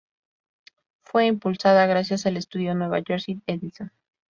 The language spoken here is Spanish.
Fue impulsada gracias al estudio Nueva Jersey Edison.